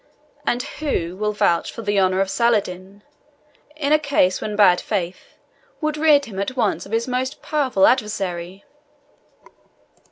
"And who will vouch for the honour of Saladin, in a case when bad faith would rid him at once of his most powerful adversary?"